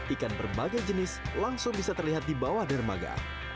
ikan berbagai jenis langsung bisa terlihat di bawah dermaga